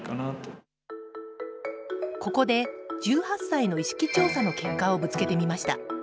ここで１８歳の意識調査の結果をぶつけてみました。